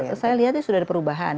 saat ini saya lihat sudah ada perubahan